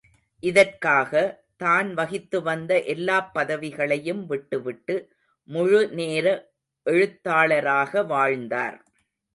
இதற்காக தான் வகித்து வந்த எல்லாப் பதவிகளையும் விட்டுவிட்டு முழுநேர எழுத்தாளராக வாழ்ந்தார்.